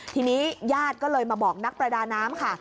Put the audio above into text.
ทีนี้ญาติก็เลยมาบอกนักประดาน้ำค่ะ